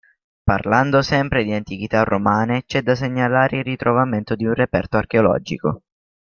Parlando sempre di antichità Romane c'è da segnalare il ritrovamento di un reperto archeologico.